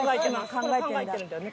考えてるんだよね